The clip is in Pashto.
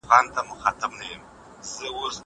زه کولای سم ليکنې وکړم!